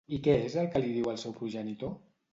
I què és el que li diu al seu progenitor?